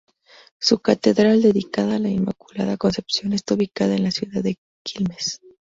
Su catedral, dedicada a la Inmaculada Concepción, está ubicada en la ciudad de Quilmes.